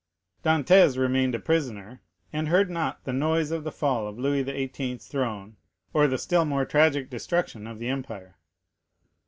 Dantès remained a prisoner, and heard not the noise of the fall of Louis XVIII.'s throne, or the still more tragic destruction of the empire.